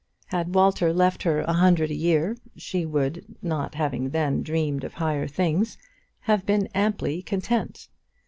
Had Walter left her a hundred a year, she would, not having then dreamed of higher things, have been amply content.